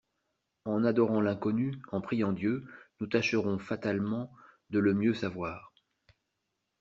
En adorant l'Inconnu, en priant Dieu, nous tâcherons fatalement de le mieux savoir.